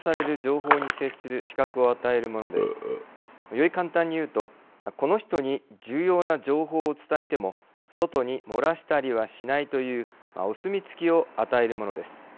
より簡単に言うとこの人に重要な情報を伝えても外に漏らしたりはしないというお墨付きを与えるものです。